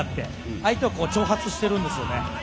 相手を挑発しているんですね。